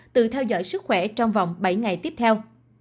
tự theo dõi sức khỏe trong vòng bảy ngày tiếp theo